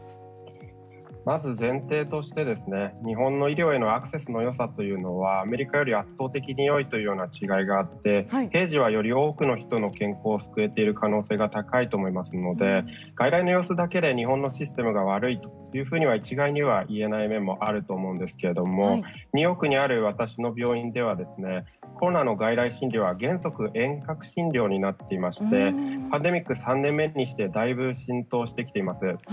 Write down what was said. まず前提として日本の医療へのアクセスの良さはアメリカより圧倒的に良いという違いがあって平時はより多くの健康を救えている可能性が高いと思いますので外来の様子だけで日本のシステムが悪いとは一概には言えない面もあると思うんですけれどもニューヨークにある私の病院ではコロナの外来診療は原則遠隔診療になっていましてパンデミック３年目にしてだいぶ浸透してきています。